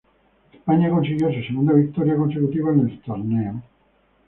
España consiguió su segunda victoria consecutiva en el torneo.